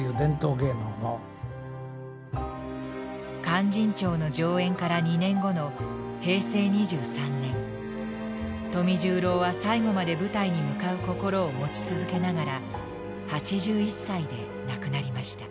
「勧進帳」の上演から２年後の平成２３年富十郎は最後まで舞台に向かう心を持ち続けながら８１歳で亡くなりました。